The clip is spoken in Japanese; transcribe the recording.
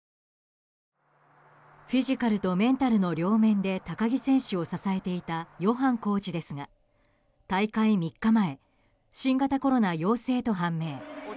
フィジカルとメンタルの両面で高木選手を支えていたヨハンコーチですが大会３日前新型コロナ陽性と判明。